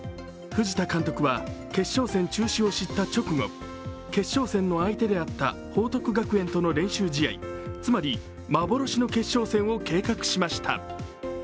藤田監督は決勝戦中止を知った直後決勝戦の相手であった報徳学園との練習試合、つまり幻の決勝戦を計画しました。